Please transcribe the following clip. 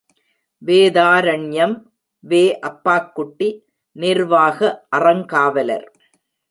வேதாரண்யம் வே. அப்பாக்குட்டி, நிர்வாக அறங்காவலர்.